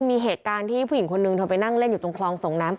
มีเหตุการณ์ที่ผู้หญิงคนนึงเธอไปนั่งเล่นอยู่ตรงคลองส่งน้ำ